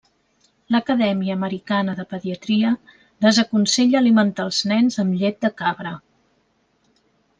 L'Acadèmia Americana de Pediatria desaconsella alimentar els nens amb llet de cabra.